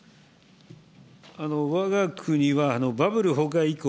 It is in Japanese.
わが国はバブル崩壊以降、